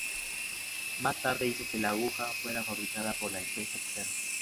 Más tarde hizo que la aguja fuera fabricada por una empresa externa.